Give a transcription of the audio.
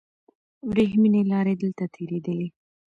وریښمینې لارې دلته تېرېدلې.